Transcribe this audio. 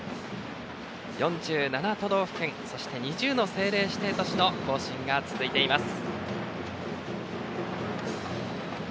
４７都道府県そして２０の政令指定都市の行進が続いています。